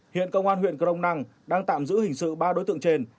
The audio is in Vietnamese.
hiện công an huyện crong năng đang tạm giữ hình sự ba đối tượng trên